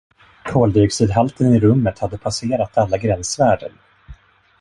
Koldioxidhalten i rummet hade passerat alla gränsvärden.